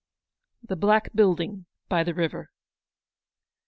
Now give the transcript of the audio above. THE BLACK BUILDING BY THE RIVER.